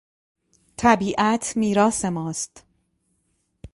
طبیعت میراث ماست.